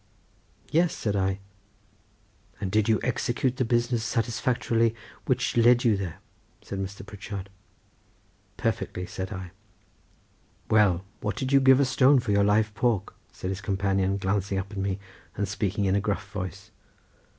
"Yes," said I. "And did you execute the business satisfactorily which led you there?" said Mr. Pritchard. "Perfectly," said I. "Well, what did you give a stone for your live pork?" said his companion glancing up at me, and speaking in a gruff voice.